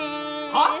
はっ？